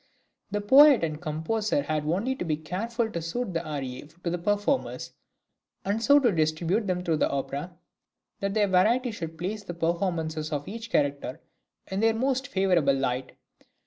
The poet and composer had only to be careful to suit the arie to the performers, and so to distribute them through the opera that their variety should place the performances of each character in their most favourable light.